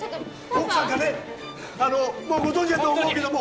奥さんかねあのもうご存じやと思うけども